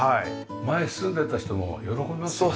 前住んでた人も喜びますよね。